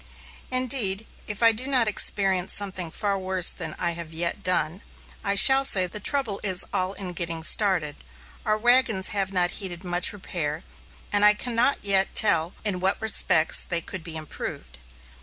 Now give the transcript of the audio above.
Indeed, if I do not experience something far worse than I have yet done, I shall say the trouble is all in getting started. Our wagons have not needed much repair, and I can not yet tell in what respects they could be improved.